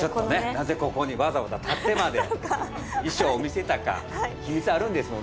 なぜここにわざわざ立ってまで衣装を見せたか秘密あるんですもんね？